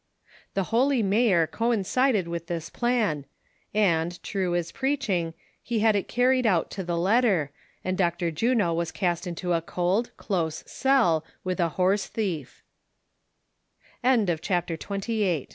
Tlie holy mayor coincided with this plan, and, true as preaching, he had it carried out to the letter, and Dr. Juno was cast into a cold, close cell, Avith a horse thief.